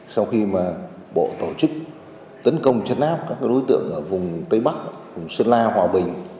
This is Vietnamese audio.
sau khi mà bộ tổ chức tấn công chân áp các đối tượng ở vùng tây bắc vùng sơn la hòa bình